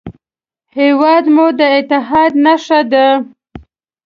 هېواد مو د اتحاد نښه ده